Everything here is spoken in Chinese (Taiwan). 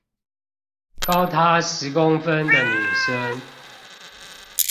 高他十公分的女生